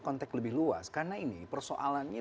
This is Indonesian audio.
konteks lebih luas karena ini persoalannya